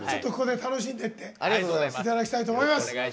楽しんでっていただきたいと思います。